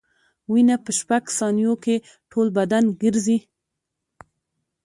وینه په شپږ ثانیو کې ټول بدن ګرځي.